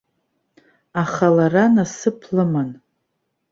Аха лара насыԥ лыман.